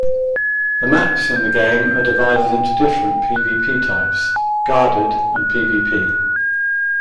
The maps in the game are divided into different PvP-types - Guarded and PvP.